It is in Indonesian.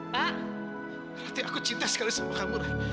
ranti aku cinta sekali sama kamu rai